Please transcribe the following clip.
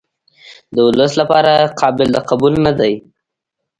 د ولس لپاره قابل د قبول نه دي.